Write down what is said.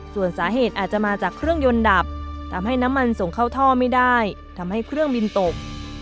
ส่วนสาเหตุอาจจะมาจากเครื่องยนต์ดับทำให้น้ำมันส่งเข้าท่อไม่ได้ทำให้เครื่องบินตก